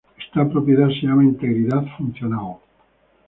Esta propiedad se llama integridad funcional.